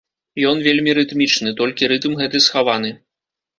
Ён вельмі рытмічны, толькі рытм гэты схаваны.